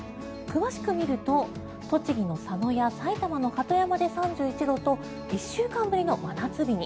詳しく見ると栃木の佐野や埼玉の鳩山で３１度と１週間ぶりの真夏日に。